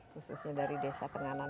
khususnya dari desa tenganan